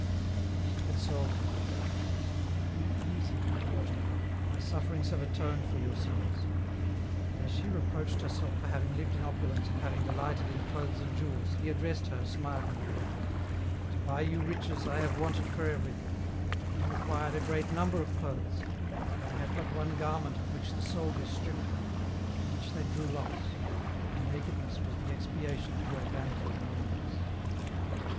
And He consoled her :" Be easy, Mv daughter, My sufferings have atoned for vour sins ;" and as she reproached herself for having lived in opulence and having delighted in clothes and jewels, He addressed her, smihng :" To buy you riches, I have wanted for everything • you required a great number of clothes, and I had but one garment of which the soldiers stripped Me, for which they drew lots ; My nakedness was the exniation of 'our vanit^' in ornaments."